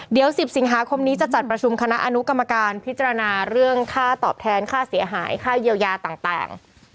เดี๋ยว๑๐สิงหาคมนี้จะจัดประชุมคณะอนุกรรมการพิจารณาเรื่องค่าตอบแทนค่าเสียหายค่าเยียวยาต่าง